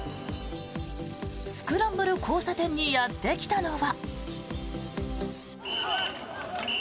スクランブル交差点にやってきたのは。